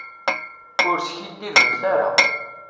Ur skiddibemt ara.